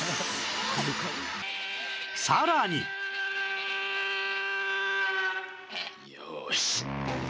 さらによーし。